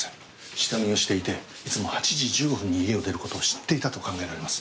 下見をしていていつも８時１５分に家を出る事を知っていたと考えられます。